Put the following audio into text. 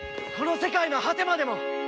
この世界の果てまでも！